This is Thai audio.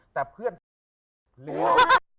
แต่เพื่อนเลี่ยว